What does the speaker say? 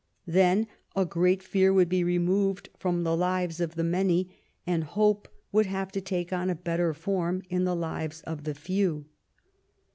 Then a great fear would be removed from the lives of the many, and hope would have to take on a better form in the lives of the few.